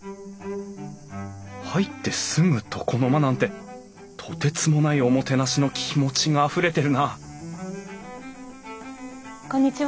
入ってすぐ床の間なんてとてつもないおもてなしの気持ちがあふれてるなこんにちは。